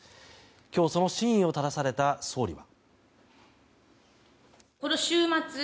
今日、その真意をただされた総理は。